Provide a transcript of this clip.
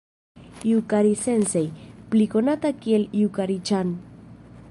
Jukari-sensej, pli konata kiel Jukari-ĉan.